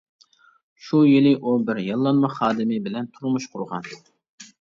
شۇ يىلى ئۇ بىر ياللانما خادىمى بىلەن تۇرمۇش قۇرغان.